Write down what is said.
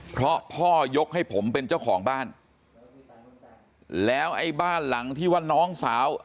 เพราะพ่อยกให้ผมเป็นเจ้าของบ้านแล้วไอ้บ้านหลังที่ว่าน้องสาว